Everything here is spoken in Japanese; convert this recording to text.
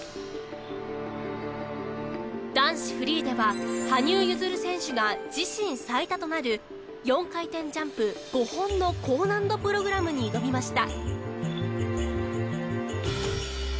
男子フリーでは羽生結弦選手が自身最多となる４回転ジャンプ５本の高難度プログラムに挑みました。